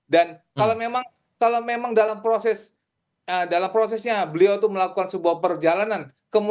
dan kalau memang dalam prosesnya beliau melakukan sebuah perjalanan